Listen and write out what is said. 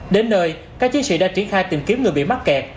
đến nơi các chiến sĩ đã triển khai tìm kiếm người bị mắc kẹt